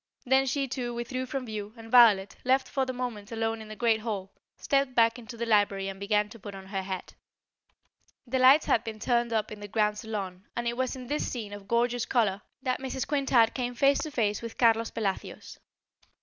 Then she too withdrew from view and Violet, left for the moment alone in the great hall, stepped back into the library and began to put on her hat. The lights had been turned up in the grand salon and it was in this scene of gorgeous colour that Mrs. Quintard came face to face with Carlos Pelacios.